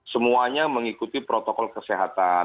semuanya mengikuti protokol kesehatan